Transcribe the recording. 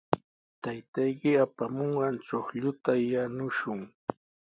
Taytayki apamunqan chuqlluta yanushun.